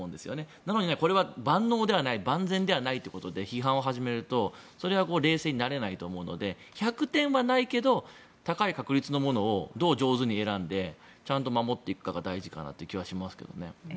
なのに、これは万能ではない万全ではないということで批判を始めると冷静になれないと思うので１００点はないけど高い確率のものをどう上手に選んで守っていくかが大事かなという気はしますね。